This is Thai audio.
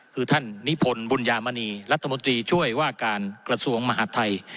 คือท่านนิพนธ์บุญญามณีรัฐมนตรีช่วยว่าการกระทรวงมหาดไทย